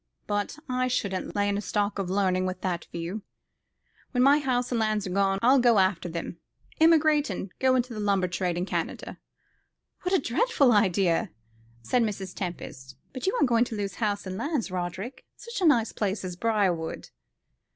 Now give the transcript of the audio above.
But I shouldn't lay in a stock of learning with that view. When my house and lands are gone I'll go after them emigrate, and go into the lumber trade in Canada." "What a dreadful idea," said Mrs. Tempest; "but you are not going to lose house and lands, Roderick such a nice place as Briarwood."